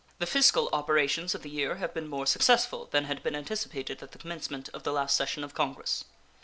The fiscal operations of the year have been more successful than had been anticipated at the commencement of the last session of Congress.